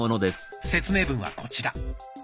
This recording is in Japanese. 説明文はこちら。